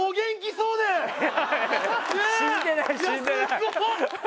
すごっ！